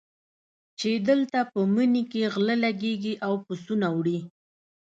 چې دلته په مني کې غله لګېږي او پسونه وړي.